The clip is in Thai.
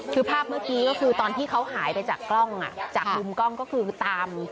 คือภาพเมื่อกี้ก็คือตอนที่เขาหายไปจากกล้องจากมุมกล้องก็คือตาม